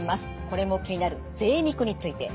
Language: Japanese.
これも気になるぜい肉について。